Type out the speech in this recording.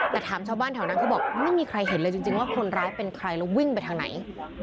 แต่ถามชาวบ้านแถวนั้นเขาบอกไม่มีใครเห็นเลยจริงว่าคนร้ายเป็นใครแล้ววิ่งไปทางไหน